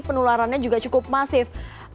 penularannya juga cukup masif